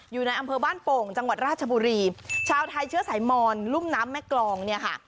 อยู่ในอำเภอบ้านโป่งจังหวัดราชบุรีชาวไทยเชื้อสายมอนรุ่มน้ำแม่กรองเนี่ยค่ะ